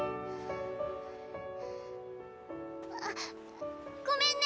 あごめんね！